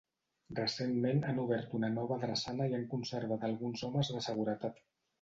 Recentment, han obert una nova drassana i han conservat alguns homes de seguretat.